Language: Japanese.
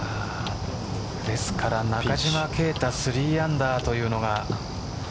ですから中島啓太３アンダーというのは。